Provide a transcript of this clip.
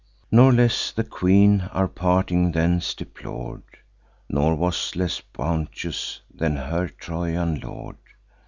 "Nor less the queen our parting thence deplor'd, Nor was less bounteous than her Trojan lord.